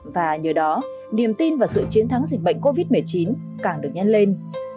và nhờ đó niềm tin và sự chiến thắng dịch bệnh covid một mươi chín càng được nhân lên